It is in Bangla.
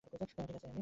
ঠিক আছি আমি!